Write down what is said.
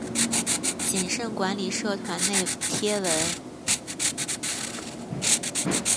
谨慎管理社团内贴文